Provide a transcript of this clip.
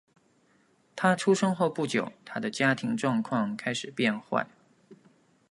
他出生后不久他的家庭状况开始变坏。